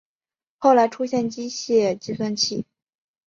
后来出现机械计算器。